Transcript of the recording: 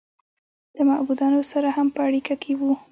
له معبودانو سره هم په اړیکه کې و